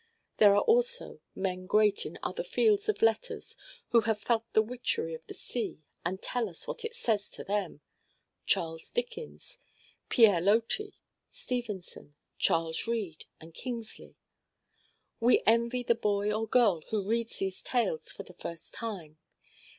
There are also men great in other fields of letters who have felt the witchery of the sea and tell us what it says to them—Charles Dickens, Pierre Loti, Stevenson, Charles Reade, and Kingsley. We envy the boy or girl who reads these tales for the first time.